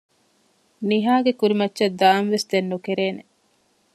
ނިހާގެ ކުރިމައްޗަށް ދާންވެސް ދެން ނުކެރޭނެ